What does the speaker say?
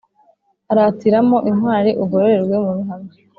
aratiramo intwari ugororerwe muruhame